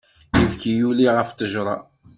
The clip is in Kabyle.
Ibki yuli ɣef ttejra.